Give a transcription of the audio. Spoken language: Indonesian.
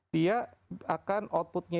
dia akan outputnya